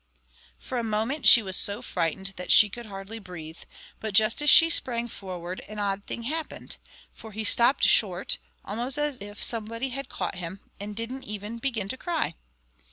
For a moment she was so frightened that she could hardly breathe, but just as she sprang forward an odd thing happened, for he stopped short, almost as if somebody had caught him, and didn't even begin to cry.